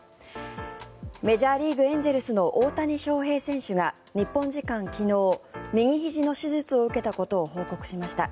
メジャーリーグ、エンゼルスの大谷翔平選手が日本時間昨日右ひじの手術を受けたことを報告しました。